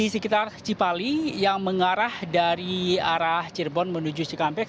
sekitar cipali yang mengarah dari arah cirebon menuju cikampek